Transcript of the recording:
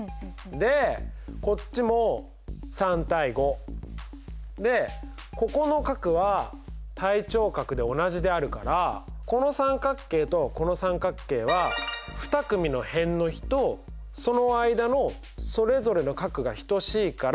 でこっちも３：５でここの角は対頂角で同じであるからこの三角形とこの三角形は２組の辺の比とその間のそれぞれの角が等しいから相似だ！